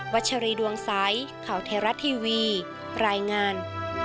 ชัชรีดวงใสข่าวเทราะทีวีรายงาน